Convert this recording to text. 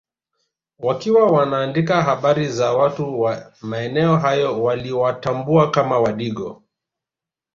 Wakiwa wanaandika habari za watu wa maeneo hayo waliwatambua kama Wadigo